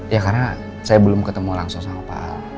ya karena saya belum ketemu langsung sama pak